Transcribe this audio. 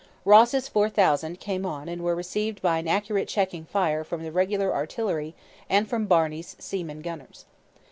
Ross's four thousand came on and were received by an accurate checking fire from the regular artillery and from Barney's seamen gunners.